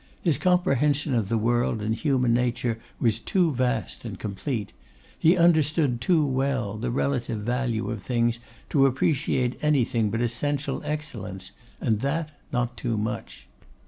His comprehension of the world and human nature was too vast and complete; he understood too well the relative value of things to appreciate anything but essential excellence; and that not too much.